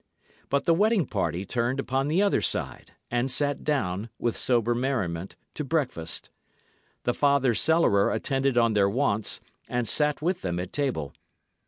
But the wedding party turned upon the other side, and sat down, with sober merriment, to breakfast. The father cellarer attended on their wants, and sat with them at table.